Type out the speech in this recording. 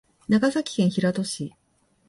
長崎県平戸市